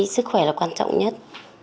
sức khỏe là quan trọng nhất